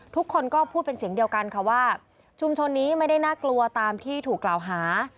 ทุกคนก็พูดเป็นเสียงเดียวกันค่ะว่าชุมชนนี้ไม่ได้น่ากลัวตามที่ถูกกล่าวหา